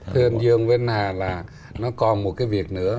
thưa anh dương vân hà là nó còn một cái việc nữa